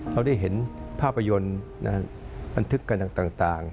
เราได้เห็นภาพยนตร์บันทึกกันต่าง